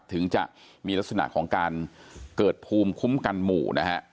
ถึงจะมีลักษณะของการเกิดภูมิคุ้มกันหมู่นะฮะ